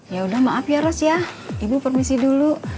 yaudah maaf ya eros ya ibu permisi dulu